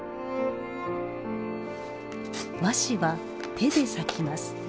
和紙は手で裂きます。